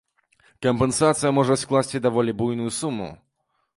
Кампенсацыя можа скласці даволі буйную суму.